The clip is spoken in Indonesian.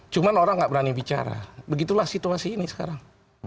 cuma orang nggak berani bicara begitulah situasi ini sekarang